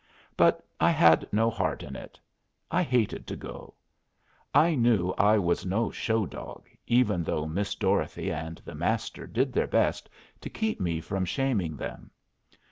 But I had no heart in it. I hated to go. I knew I was no "show" dog, even though Miss Dorothy and the Master did their best to keep me from shaming them.